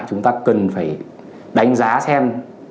chúng ta cần phải đánh giá xem